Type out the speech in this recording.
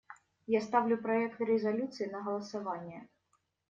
Я ставлю проект резолюции на голосование.